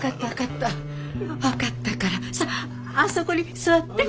分かったからさああそこに座って。